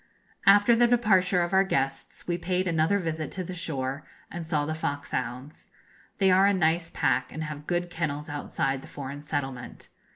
After the departure of our guests we paid another visit to the shore, and saw the foxhounds. They are a nice pack, and have good kennels outside the foreign settlement.